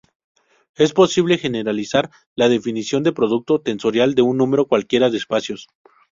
Es posible generalizar la definición de producto tensorial de un número cualquiera de espacios.